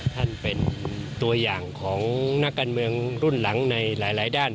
ท่านเป็นตัวอย่างของนักการเมืองรุ่นหลังในหลายด้าน